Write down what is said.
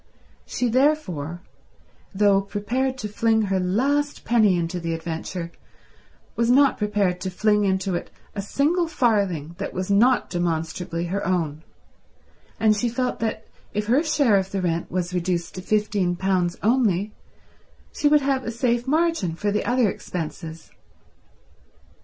She therefore, though prepared to fling her last penny into the adventure, was not prepared to fling into it a single farthing that was not demonstrably her own; and she felt that if her share of the rent was reduced to fifteen pounds only, she would have a safe margin for the other expenses.